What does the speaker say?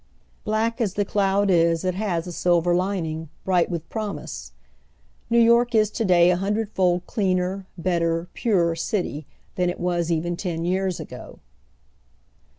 Black as the cloud is it has a silver lining, bright with promise. New York is to day a hundredfold cleaner, better, purer, city than it was even ten years ago.